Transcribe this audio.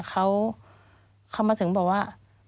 มันจอดอย่างง่ายอย่างง่าย